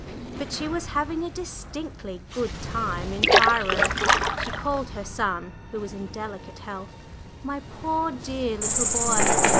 But she was having a distinctly "good time" in Cairo; she called her son, who was in delicate health, "my poor dear little boy!"